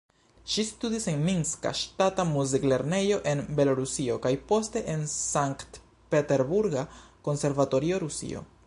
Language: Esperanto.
Ŝi studis en Minska Ŝtata Muzik-Lernejo en Belorusio kaj poste en Sankt-Peterburga Konservatorio, Rusio.